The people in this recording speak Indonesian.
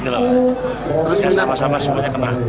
ini lah sama sama semuanya kemarin